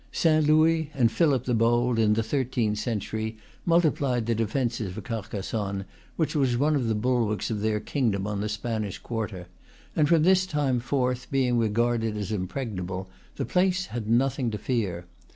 Saint Louis and Philip the Bold, in the thirteenth cen tury, multiplied the defences of Carcassonne, which was one of the bulwarks of their kingdom on the Spanish quarter; and from this time forth, being re garded as impregnable, the place had nothing to fear.